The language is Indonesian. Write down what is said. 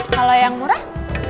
kalau yang murah